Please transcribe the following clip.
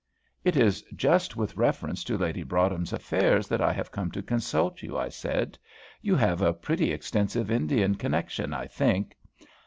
"It is just with reference to Lady Broadhem's affairs that I have come to consult you," I said. "You have a pretty extensive Indian connection, I think?"